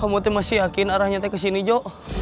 kamu masih yakin arahnya kita kesini jo